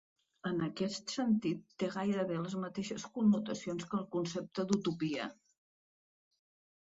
En aquest sentit té gairebé les mateixes connotacions que el concepte d'utopia.